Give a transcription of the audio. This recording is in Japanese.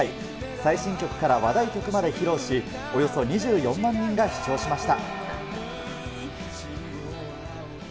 最新曲から話題曲まで披露し、およそ２４万人が視聴しました。